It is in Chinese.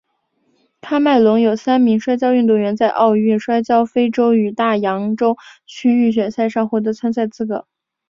喀麦隆有三名摔跤运动员在奥运摔跤非洲与大洋洲区预选赛上获得参赛资格。